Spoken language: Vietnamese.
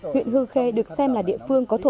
huyện hương khê được xem là địa phương